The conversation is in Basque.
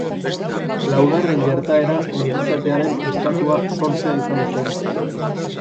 Laugarren gertaera ongizatearen estatua sortzea izan zen.